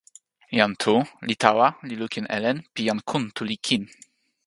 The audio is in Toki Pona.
jan Tu li tawa li lukin e len pi jan Kuntuli kin.